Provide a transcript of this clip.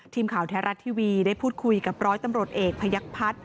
ทีมข่าวแท้รัฐทีวีได้พูดคุยกับร้อยตำรวจเอกพยักพัฒน์